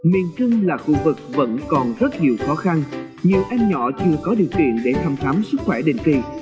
miền trung là khu vực vẫn còn rất nhiều khó khăn nhiều em nhỏ chưa có điều kiện để thăm khám sức khỏe định kỳ